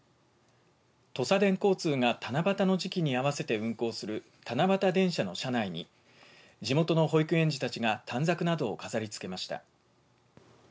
とさでん交通が七夕の時期に合わせて運行する七夕電車の車内に地元の保育園児たちが短冊などを飾りつけました。